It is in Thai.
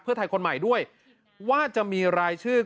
เพื่อไทยคนใหม่ด้วยว่าจะมีรายชื่อ